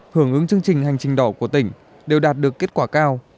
hưởng ứng chương trình hành trình đỏ của tỉnh đều đạt được kết quả cao